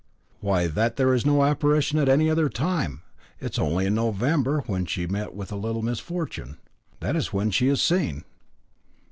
"Why, that there is no apparition at any other time It is only in November, when she met with a little misfortune. That is when she is seen."